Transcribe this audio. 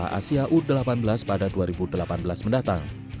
piala asia u delapan belas pada dua ribu delapan belas mendatang